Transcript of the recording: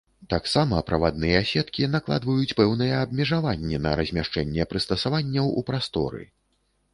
Таксама правадныя сеткі накладваюць пэўныя абмежаванні на размяшчэнне прыстасаванняў у прасторы.